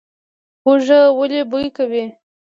هوږه ولې بوی کوي؟